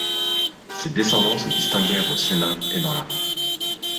Ses descendants se distinguèrent au Sénat et dans l'armée.